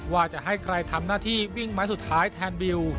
ว่าจะให้ใครทำหน้าที่วิ่งไม้สุดท้ายแทนบิว